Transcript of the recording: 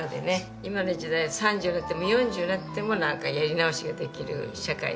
今の時代３０になっても４０になってもなんかやり直しができる社会というかね。